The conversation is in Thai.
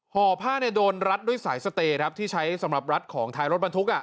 ห่อผ้าเนี่ยโดนรัดด้วยสายสเตที่ใช้สำหรับรัดของทายรถบรรทุก